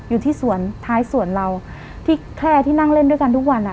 อยู่ที่สวนท้ายสวนเราที่แค่ที่นั่งเล่นด้วยกันทุกวันอ่ะ